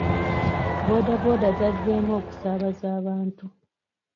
Booda booda zazzeemu okusaabaza abantu.